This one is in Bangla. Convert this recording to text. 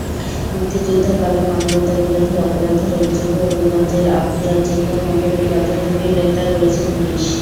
মুক্তিযুদ্ধকালের মানবতাবিরোধী অপরাধের অভিযোগে হবিগঞ্জের আবদুর রাজ্জাককে মৌলভীবাজার থেকে গ্রেপ্তার করেছে পুলিশ।